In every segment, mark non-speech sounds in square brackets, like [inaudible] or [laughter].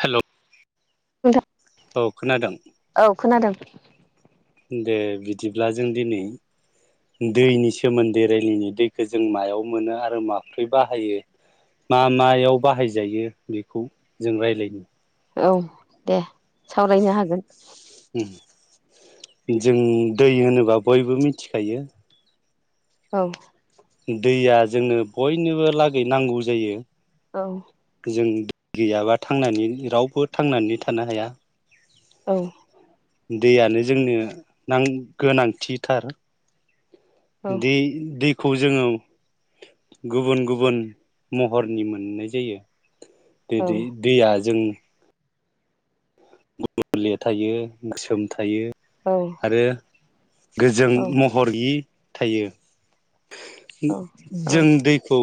Hello नोंथां औ खोनादों [inaudible] दे बिदिब्ला जों दिनै दैनि सोमोन्दै रायलायनो दैखौजों मायाव मोनो आरो माब्रै बाहायो मा मायाव बाहायजायो बेखौ जों रायलायनि औ दे सावरायनो हागोन। जों दै होनोबा बयबो मिथिखायो औ दैया जोंनो बयनोबो लागै नांगौ जायो औ जों दै गैयाबा थांनानै रावबो थांनानै थानो हाया। औ दैयानो जोंनो नां गोनांथिथार औ दै दै खौ जोङो गुबुन गुबुन महरनि मोननाय जायो बे औ दै-दैया जों गलि थायो गोसोम थायो औ आरो गोजों औ महरि थायो। औ औ जों दैखौ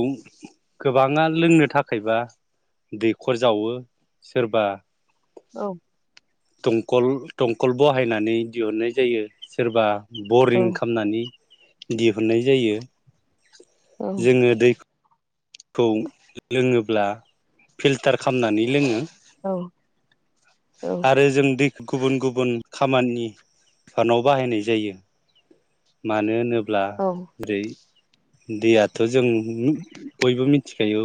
गोबाङा लोंनो थाखायबा दैखर जावो सोरबा औ दंखल दंखल बहायनानै दिहुननाय जायो सोरबा बरिं खालामनानै दिहुननाय जायो जोङो दैख खौ लोङोब्ला फिल टार खालामनानै लोंङो आरो जों दै गुबुन गुबुन खामानि फानाव बाहायनाय जायो मानो होनोब ब्ला दै दैयाथ' जों बयबो मिथिखायो।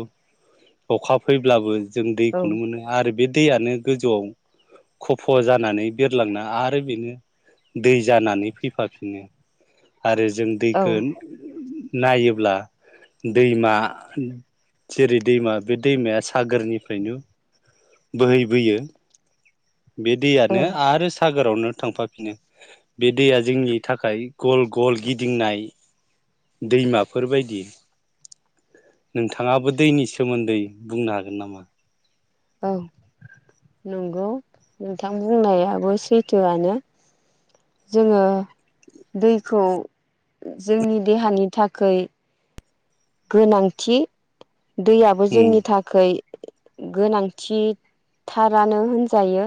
अखा फैब्लाबो जों दैखौनो मोनो आरो बे दैआनो गोजौआव खफ जानानै बिरलांना आरो बेनो दै जानानै फैफाफिनो आरो जों औ दैखोन। नायोब्ला दैमा हान-थि जेरै। दैमा बे दैमाया सान। सागोरनिफ्रायनो। बोहै बोयो। बे औ दैयानो आरो सागोर। गावनो थांफाफिनो बे दैया जोंनि थाखाय गल गल गिदिंनाय दैमाफोरबायदि। नोंथाङाबो दैनि सोमोन्दै बुंनो हागोन नामा? औ नंगौ नोंथाङ बुंनायाबो सैथोआनो। जोङो दैखौ जोंनि देहानि थाखोय। गोनांथि। दैयाबो उम जोंनि थाखोय। गोनांथिथारानो होनजायो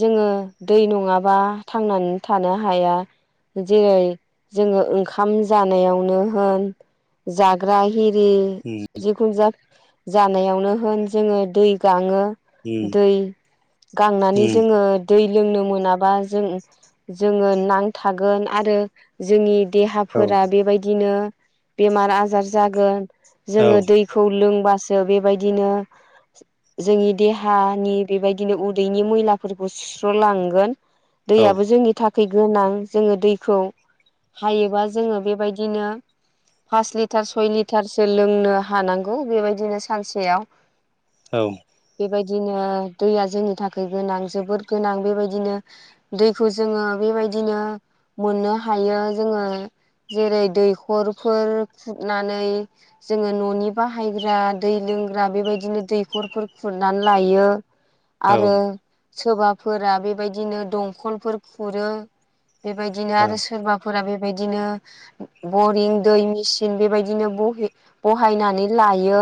जोङो दै नङाबा थांनानै थानो हाया जेरै जोङो ओंखाम जानायावनो होन जा। [inaudible] हिरि जिखुन जाग। जानायावनो होन जोङो दै गाङो। उम दै गांनानै उम जोङो दै। लोंनो मोनाबा जों जोङो नांथागोन आरो जोंनि। उम देहाफोरा बेबायदिनो। बेमार आजारज। जागोन। औ जोङो दैखौ लों। बासो बेबायदिनो जोंनि देहानि बेबायदिनो उदैनि मैलाफोरखौ सुस्र'लांगोन। दैआबो औ जोंनि था। थै गोनां जोङो दैखौ हायोबा जोङो बेबायदिनो फासलि। टार सय लिटारसो लोंनो हानांगौ बेबायदिनो सानसेयाव। औ। बेबायदिनो दैया जोंनि थाखाय गोनां जोबोद गोनां बेबायदिनो दैखौ जोङो बेबायदिनो मोननो हायो जोङो जेरै दैखरफोर। खुरनानै जोङो न'नि बाहायग्रा दै लोंग्रा बेबायदिनो दैखरफोर खुरनानै लायो। आरो। सोबाफोरा बेबायदिनो दंखलफोर खुरो। बेबायदिनो आरो सोरबाफोरा बे। बेबायदिनो बरिं दै मिसिन। सिन बेबायदिनो बहे बहायनानै लायो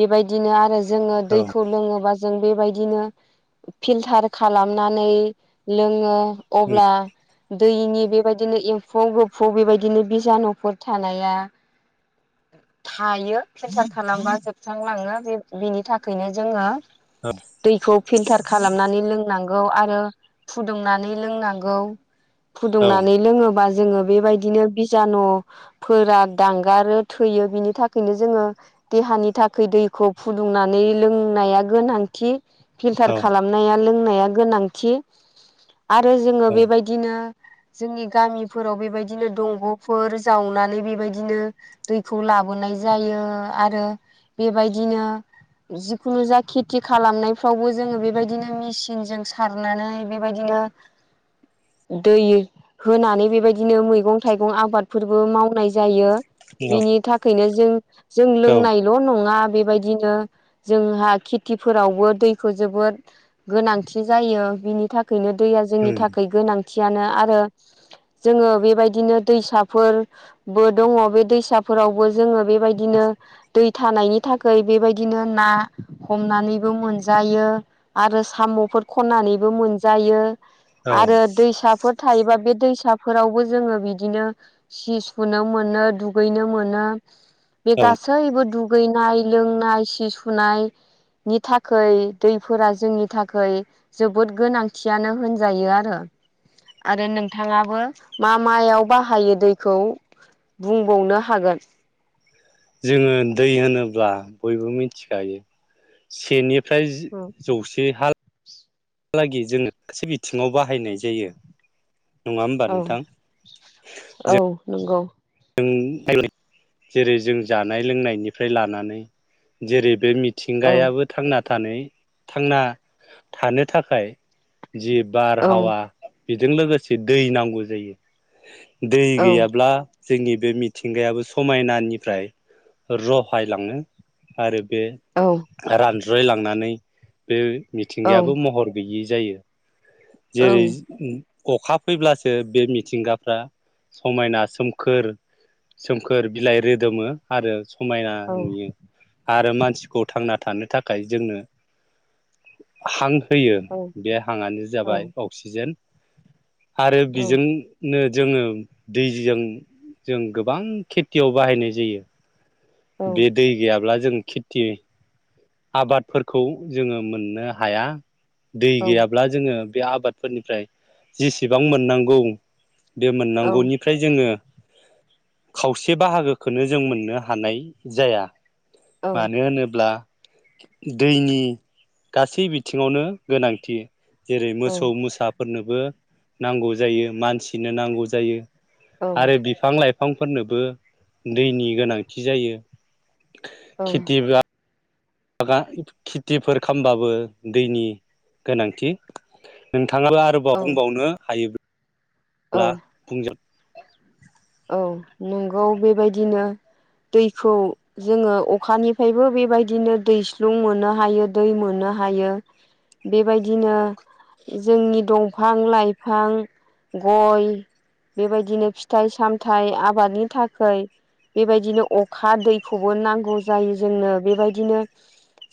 बेबायदिनो आरो जो। जोङो दैखौ लोङोबा जो जों बेबायदिनो फिल्टार खालामनानै लोङो। अब्ला औ-औ-औ-औ-औ-औ-औ-औ-औ-औ-औ दैनि बेबायदिनो एम्फौ गोफौ बेबायदिनो बिजानुफोर थानाया थायो फिलटार खालामबा जोबस्रांलाङो बिनि थाखायनो जोङो दैखौ फिल्टार खालामनानै लोंनांगौ। औ आरो फुदुंनानै लोंनांगौ। फुदुंनानै लोङोबा जोङो बेबायदिनो बिजान'फोरा दांगारो थैयो बिनि थाखायनो जोङो देहानि थाखाय दैखौ फुदुंनानै लोंनाया गोनांथि। फिलटार खालामनाया लों नाया गोनांथि। आरो जोङो बेबायदिनो जोंनि गामिफोराव बेबायदिनो दंग'फोर जावनानै बेबायदि बिदिनो दैखौ लाबोनाय जायो आरो बेबायदिनो जिखुनु जा खेथि खालामनायफ्रावबो जोङो बेबायदिनो मेसिनजों सारनानै बेबायदिनो दै होनानै बेबायदिनो मैगं थाइगं आबादफोरबो मावनाय जायो। बिनि थाखायनो जों जों लोंनायल' नङा बेबायदिनो जोंहा खेथिफोरावबो दैखौ जोबोद गोनांथि जायो बिनि थाखाय बेनो दैया जोंनि थाखाय गोनां। थियानो आरो जोङो बेबायदिनो दैसाफोर बो दङ बे दैसाफोरावबो जोङो बेबायदिनो दै थानायनि थाखाय बेबायदिनो ना हमनानैबो मोनजायो आरो साम'फोर खन्नानैबो मोनजायो। आरो दैसाफोर थायोबा बे दैसाफोरावबो जोङो बिदिनो सि फुनो मोनो दुगैनो मोनो बे गासैबो दुग गैनाय लोंनाय सि सुनाय नि थाखै दैफोरा जोंनि थाखै जोबोद गोनांथियानो होनजायो आरो आरो नोंथाङाबो मा मायाव बाहायो दैखौ बुंबावनो हागोन जोङो दै होनोब्ला बयबो मिथिखायो सेनि फ्राय जौसे हा [unintelligible] हालागै जोङो गासै बिथिङाव बाहायनाय जायो। नङा होमबा औ नोंथां औ नंगौ जों जेरै जेरै जों जानाय लोंनायनिफ्राय लानानै जेरै बे औ मिथिंगायाबो थांना थानै थांना थानो थाखाय जि औ बारहावा बेजों लोगोसे दै नांगौ जायो। दै औ गैयाब्ला जोंनि बे मिथिंगायाबो समायनानिफ्राय रहायलाङो आरो बे औ रान ज्रयलांनानै बे औ मिथिंगायाबो महर गैयै जायो। जेरै अखा फैब्लासो बे मिथिंगाफ्रा समायना सोम खोर सोमखोर बिलाइ रोदोमो आरो समायना औ नुयो आरो मानसिखौ थांना थानो थाखाय जोंनो हां फैयो बे हांआनो जाबाय औ अक्सिजेन। आरो बिजोंनो जोङो दैजों जों गोबां खेथियाव बाहायनाय जायो। बे दै गैयाब्ला जों खेथि आबादफोरखौ जोङो मोननो हाया। दै गैयाब्ला जोङो बे आबादफोरनिफ्राय जेसेबां मोननांगौ बे मोननांगौनिफ्राय जोङो खावसे बाहागोखोनो जों मोननो हानाय जाया। औ मानो होनोब्ला दैनि गासै बिथिङावनो गोनांथि जेरै औ मोसौ मोसाफोरनो बो नांगौ जायो, मानसिनो नांगौ जायो, औ आरो बिफां लाइ बिफांफोरनोबो दैनि गोनांथि जायो। औ खेथिबो [unintelligible] खेथिफोर खालामबाबो दैनि गोनांथि नों [unintelligible] आरोबाव औ बुंबावनो हायो। औ अब्ला फुंजा औ नंगौ बेबायदिनो दैखौ जोङो अखानिफ्रायबो बेबायदिनो दैस्लुं मोननो हायो दै मोननो हायो बेबायदिनो जोंनि दंफां-लाइफां, गय, बेबायदिनो फिथाइ साम थाय आबादनि थाखाय बेबायदिनो अखा दैखौबो नांगौ जायो जोंनो बेबायदिनो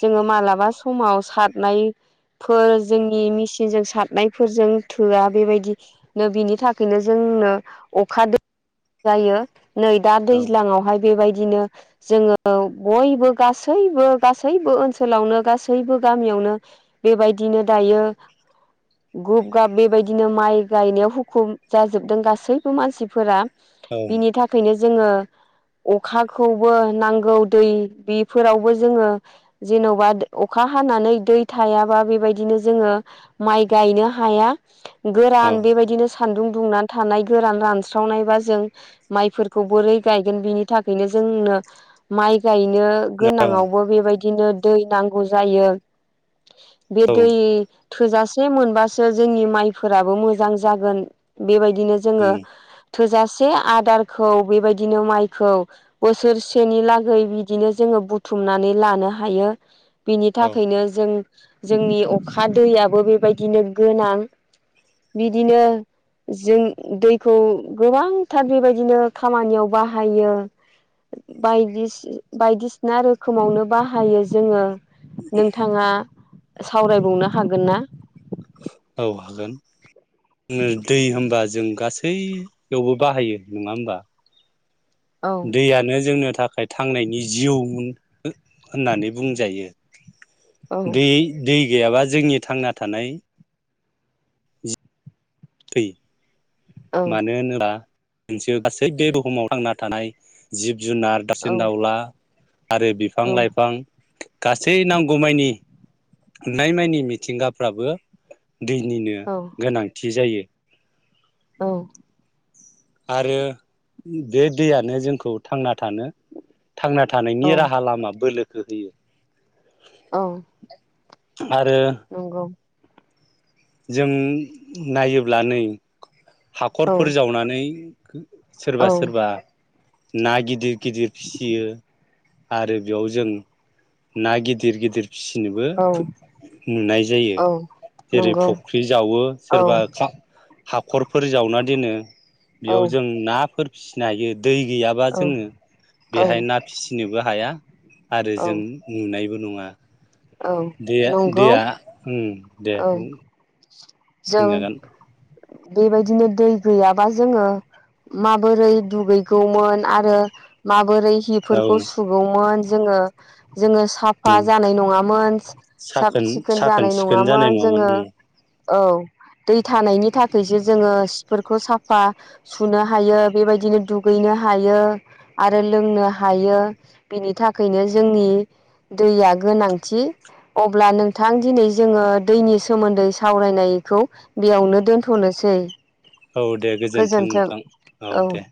जोङो मालाबा समाव सारनायफोर जोंनि मेचिनजों सारनायफोरजों थोआ बेबायदिनो बिनि थाखायनो जोंनो अखा दै जायो। नै दा औ दैज्लांआवहाय बेबायदिनो जोङो बयबो गासैबो गासैबो ओनसोलावनो गासैबो गामियावनो बेबायदिनो दायो गुब गाब बेबायदिनो माइ गायनायाव हुखुम जाजोबदों गासैबो मानसिफोरा औ बिनि थाखायनो जोङो अखाखौबो नांगौ दै बेफोरावबो जोङो जेन'बा अखा हानानै दै थायाबा बेबायदिनो जोङो माइ गायनो हाया औ गोरान बेबायदिनो सा सानदुं दुंनानै थानाय गोरान रानस्रावनायबा जों माइफोरखौ बोरै गायगोन बिनि थाखायनो जोंनो माइ गाय नों गोनाङावबो बेबायदि बिदिनो दै नांगौ जायो बे औ दै थोजास से मोनबासो जोंनि माइफोराबो मोजां जागोन बेबायद बिदिनो जोङो थोजासे आदारखौ बेबायदिनो माइखौ बोसोरसेनि लागै बिदिनो जोङो बुथुमनानै लानो हायो बिनि औ थाखायनो जों जोंनि अखा दैयाबो बे बायदिनो गोनां बिदिनो जों दैखौ गोबांथार बेबायदिनो खामानियाव बाहायो बायदिसि‌ बायदिसिना रोखोमावनो बाहायो जोङो नोंथाङा सावरायबावनो हागोन ना औ‌‌ हागोन नै दै होनबा जों गासैयावबो बाहायो नङा होमबा औ दैयानो जोंनो थाखाय थांनायनि जिउ होन होननानै बुंजायो दै दै गैयाबा जोंनि थांना थानाय थै औ मानो होनोबा मोनसे गासै बे बुहुमाव थांना थानाय जिब जुनार औ दाउसिन दाउला आरो बिफां लाइफां गासै नांगौ मानि नुनाय मानि मिथिंगाफ्राबो दैनिनो औ गोनांथि जायो [unintelligible] औ। आरो बे दैयानो जोंखौ थांना थानो थांना थानायनि औ राहा लामा बोलो ओ हैयो। औ। आरो नंगौ। जों नायोब्ला नै औ हाखरफोर जावनानै खो औ सोरबा सोरबा ना गिदिर गिदिर फिसियो आरो बेयाव जों ना गिदिर गिदिर फिसिनोबो औ नुनाय जायो जेरै नंगौ फख्रि जावो औ सोरबा जा हाखरफोर जावना दोनो। बेयाव जों नाफोर फिसिनो हायो। दै गैयाबा जोङो औ बेहाय ना फिसिनोबो हाया आरो औ जों नुनायबो नङा। औ दैया नंगौ दैया ओ दे औ बुं। जों बुंजागोन। बेबायदिनो दै गैयाबा जोङो माबोरै दुगैगौमोन आरो मा बोरै औ हिफोरखौ सुगौमोन जोङो जोङो साफा उम जानाय नङा मोन साब साखोन सिखोन साखोन जानाय सिखोन नङामोन जानाय जोङो उम औ दै थानायनि थाखायसो जोङो सिफोरखौ साफा सुनो हायो बेबायदिनो दुगैनो हायो आरो लोंनो हायो बेनि थाखायनो जोंनि दैया गोनां थि अब्ला नोंथां दिनै जोङो दैनि सोमोन्दै सावरायनायखौ बेयावनो दोनथ'नोसै। औ दे गोजोन्थों नोंथां औ दे।